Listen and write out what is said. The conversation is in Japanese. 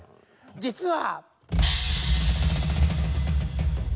実は。